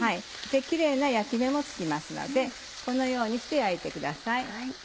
キレイな焼き目もつきますのでこのようにして焼いてください。